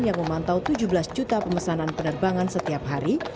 yang memantau tujuh belas juta pemesanan penerbangan setiap hari